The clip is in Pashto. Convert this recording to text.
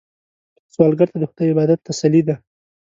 سوالګر ته د خدای عبادت تسلي ده